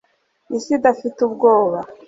isi idafite ubwoba